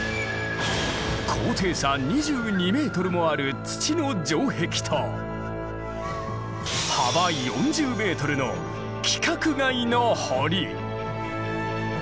高低差２２ｍもある土の城壁と幅４０ｍの規格外の堀！